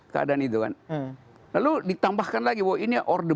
keadaan itu kan lalu ditambahkan lagi bahwa ini order